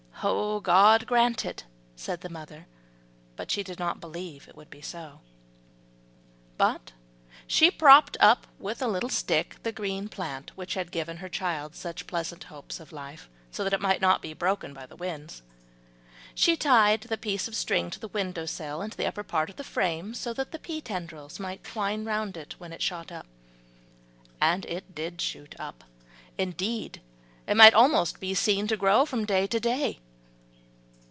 "God grant it!" said the mother, but she did not believe it would be so. But she propped up with the little stick the green plant which had given her child such pleasant hopes of life, so that it might not be broken by the winds; she tied the piece of string to the window sill and to the upper part of the frame, so that the pea tendrils might twine round it when it shot up. And it did shoot up, indeed it might almost be seen to grow from day to day.